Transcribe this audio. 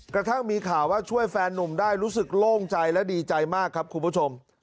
กระทั่งมีข่าวว่าช่วยแฟนนุ่มได้รู้สึกโล่งใจและดีใจมากครับคุณผู้ชม